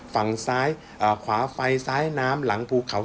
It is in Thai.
ฝั่งซ้ายขวาไฟซ้ายน้ำหลังภูเขา